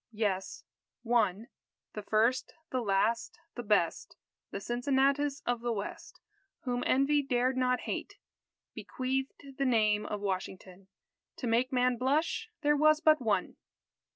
Yes one the first the last the best The Cincinnatus of the West, Whom Envy dared not hate, Bequeathed the name of Washington, To make man blush there was but one!